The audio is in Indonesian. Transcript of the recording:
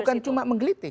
bukan cuma menggelitik